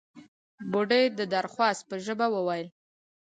بوډۍ د خواست په ژبه وويل: